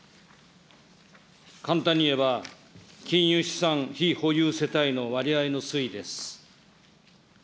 簡単にいえば、金融資産非保有世帯の割合の推移です。